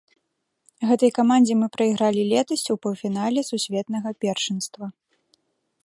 Гэтай камандзе мы прайгралі летась у паўфінале сусветнага першынства.